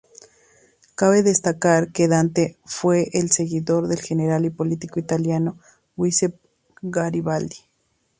Cabe destacar que Dante fue un seguidor del general y político italiano Giuseppe Garibaldi